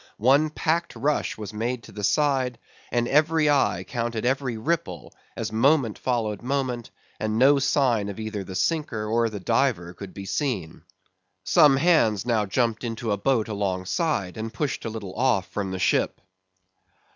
One packed rush was made to the side, and every eye counted every ripple, as moment followed moment, and no sign of either the sinker or the diver could be seen. Some hands now jumped into a boat alongside, and pushed a little off from the ship.